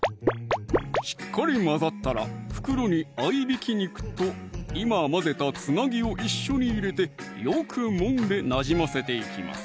しっかり混ざったら袋に合いびき肉と今混ぜたつなぎを一緒に入れてよくもんでなじませていきます